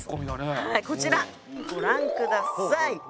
こちらご覧下さい。